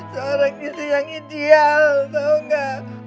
seorang istri yang ideal tau gak